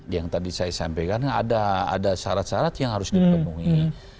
yang tadi saya sampaikan ada syarat syarat yang harus kita temui